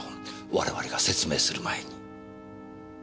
我々が説明する前に。